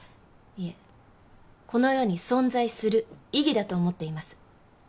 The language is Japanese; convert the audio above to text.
いえこの世に存在する意義だと思っています。